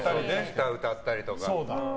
歌、歌ったりとかね。